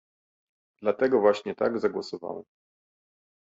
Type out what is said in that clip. Dlatego właśnie tak zagłosowałem